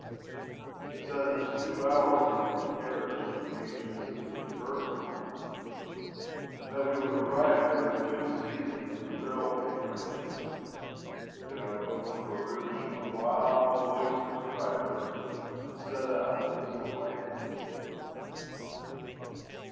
They said it was two hours, by carriage to the ancient city of Bergamo, and that we would arrive there in good season for the railway train. We got an open barouche and a wild, boisterous driver, and set out. It was delightful.